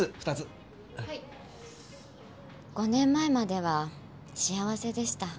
５年前までは幸せでした。